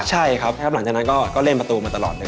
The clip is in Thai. ใช่ครับหลังจากนั้นก็เล่นประตูมาตลอดเลย